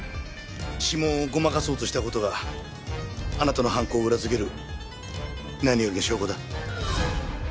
指紋をごまかそうとした事があなたの犯行を裏付ける何よりの証拠だ。